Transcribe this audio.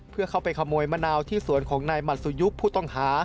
เพื่อเข้าไปขโมยมะนาวที่สวนของนายหมัดสุยุกต์ผู้ต้องหา